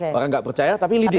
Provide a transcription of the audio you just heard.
orang nggak percaya tapi leading